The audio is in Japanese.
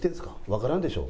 わからんでしょ？